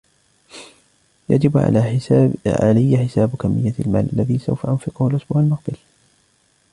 يجب علي حساب كمية المال الذي سوف أنفقه الاسبوع المقبل.